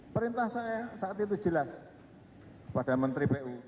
perintah saya saat itu jelas pada menteri pu